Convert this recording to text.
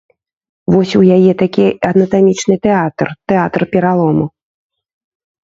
Вось у яе такі анатамічны тэатр, тэатр пералому.